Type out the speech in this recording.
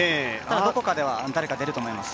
どこかでは誰か出ると思います。